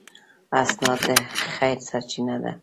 استاد د خیر سرچینه ده.